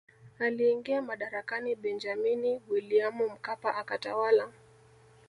Aliingia madarakani Benjamini Williamu Mkapa akatawala